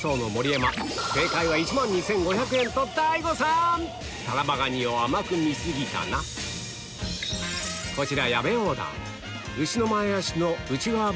大誤算‼タラバガニを甘く見過ぎたなこちら矢部オーダー